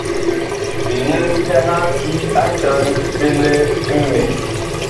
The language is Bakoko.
Bilɛm byaha bi atan bi lɛ mɓɛɛŋ.